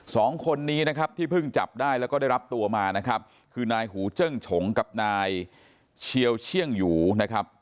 สองคนนี้นะครับที่เพิ่งจับได้แล้วก็ได้รับตัวมานะครับคือนายหูเจิ้งฉงกับนายเชียวเชื่องหยูนะครับ